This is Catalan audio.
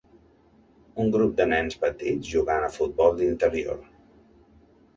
Un grup de nens petits jugant A futbol d'interior